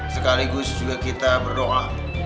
sekaligus juga kita berdoa